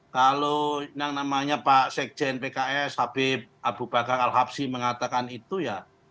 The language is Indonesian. kalau yang namanya pak sekjen pks habib abu bakar al habsi mengatakan itu ya